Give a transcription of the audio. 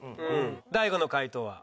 大悟の解答は？